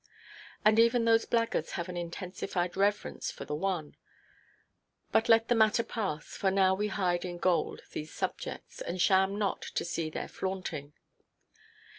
And even those blackguards have an intensified reverence for the one;—but let the matter pass; for now we hide in gold these subjects, and sham not to see their flaunting.